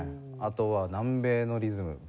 あとは南米のリズム。